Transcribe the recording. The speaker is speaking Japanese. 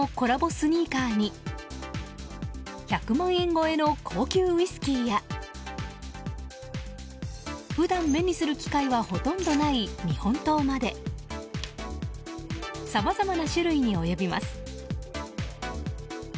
スニーカーに１００万円超えの高級ウイスキーや普段、目にする機会はほとんどない日本刀までさまざまな種類に及びます。